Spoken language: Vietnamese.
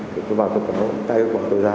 thì tôi vào tôi có tay gọi tôi ra